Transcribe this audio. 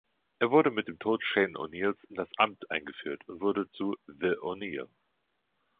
Er wurde mit dem Tod Shane O‘Neills in das Amt eingeführt und wurde zu „The O‘Neill“.